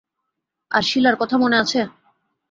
আর শিলার কথা মনে আছে?